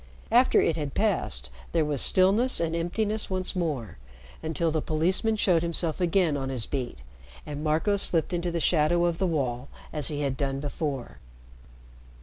After it had passed, there was stillness and emptiness once more, until the policeman showed himself again on his beat, and Marco slipped into the shadow of the wall as he had done before.